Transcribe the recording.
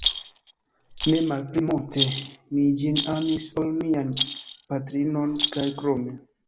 Ne malpli multe mi ĝin amis, ol mian patrinon, kaj krome.